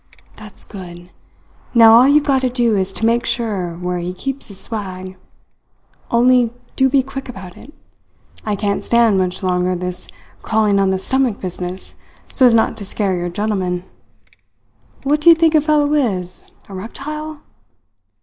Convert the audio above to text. "That's good! Now all you've got to do is to make sure where he keeps his swag. Only do be quick about it! I can't stand much longer this crawling on the stomach business so as not to scare your gentleman. What do you think a fellow is a reptile?"